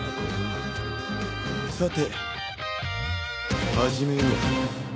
さて始めようか。